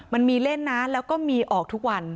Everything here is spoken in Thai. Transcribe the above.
มันมีเล่นนะแล้วก็มีออกทุกวัน